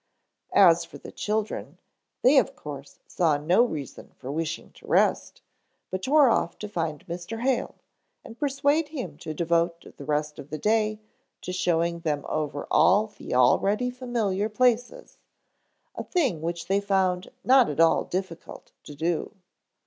As for the children, they of course saw no reason for wishing to rest, but tore off to find Mr. Hale and persuade him to devote the rest of the day to showing them over all the already familiar places; a thing which they found not at all difficult to do.